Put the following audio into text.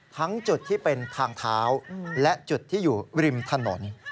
ทั้งจุดที่เป็นทางเท้าและจุดที่อยู่ริมถนน